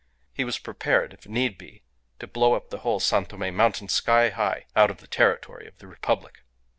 He was prepared, if need be, to blow up the whole San Tome mountain sky high out of the territory of the Republic.